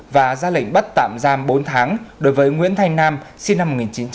và ra lệnh bắt tạm giam bốn tháng đối với nguyễn thanh nam sinh năm một nghìn chín trăm tám mươi